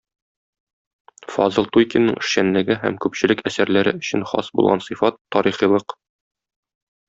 Фазыл Туйкинның эшчәнлеге һәм күпчелек әсәрләре өчен хас булган сыйфат - тарихилык.